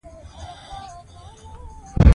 باید خپل ځان ته پام وکړي.